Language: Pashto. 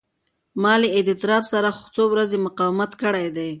ما له اضطراب سره څو ورځې مقاومت کړی دی.